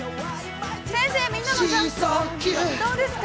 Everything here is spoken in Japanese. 先生、みんなのジャンプどうですか。